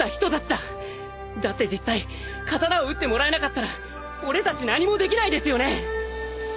だって実際刀を打ってもらえなかったら俺たち何もできないですよね！？